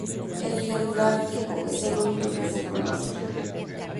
El ejemplar tipo es el único que se conoce.